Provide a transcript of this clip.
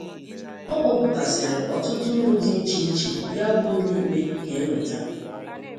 Ọ kpọpụtàsịrị ọtụtụ uru dị iche iche ya bụ ụlọ ikpe ga-ewèta